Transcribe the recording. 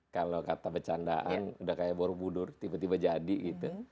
kalau kata bercandaan udah kayak borobudur tiba tiba jadi gitu